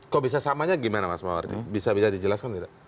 kok bisa samanya gimana mas mawar bisa bisa dijelaskan tidak